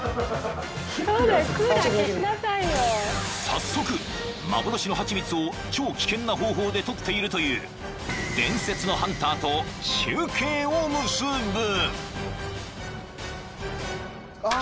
［早速幻のハチミツを超危険な方法で採っているという伝説のハンターと中継を結ぶ］